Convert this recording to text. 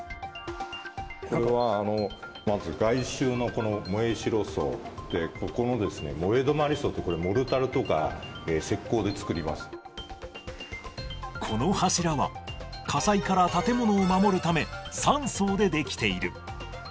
これはまず、外周のこの燃え代層で、ここの燃え止まり層って、この柱は、火災から建物を守るため、３層で出来ている。